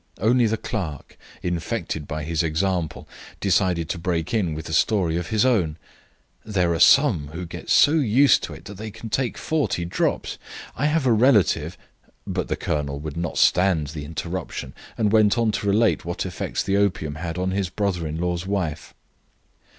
Only the clerk, infected by his example, decided to break in with a story of his own: "There are some who get so used to it that they can take 40 drops. I have a relative ," but the colonel would not stand the interruption, and went on to relate what effects the opium had on his brother in law's wife.